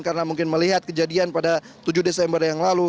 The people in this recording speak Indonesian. karena mungkin melihat kejadian pada tujuh desember yang lalu